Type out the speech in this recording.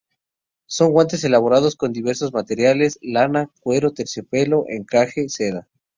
Son guantes elaborados con diversos materiales: lana, cuero, terciopelo, encaje, seda.